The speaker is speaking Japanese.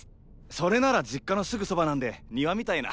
それなら実家のすぐそばなんで庭みたいな。